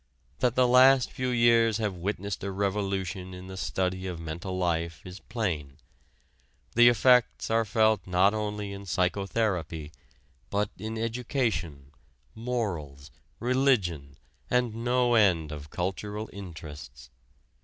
That the last few years have witnessed a revolution in the study of mental life is plain: the effects are felt not only in psychotherapy, but in education, morals, religion, and no end of cultural interests.